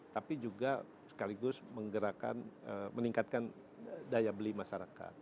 tapi juga sekaligus menggerakkan meningkatkan daya beli masyarakat